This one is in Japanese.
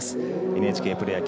ＮＨＫプロ野球。